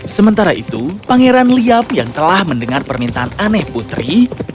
sementara itu pangeran liab yang telah mendengar permintaan aneh putri